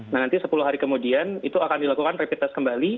nah nanti sepuluh hari kemudian itu akan dilakukan rapid test kembali